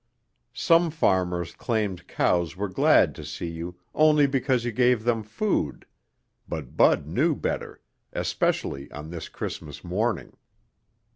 Some farmers claimed cows were glad to see you only because you gave them food, but Bud knew better, especially on this Christmas morning.